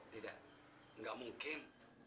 tidak gak mungkin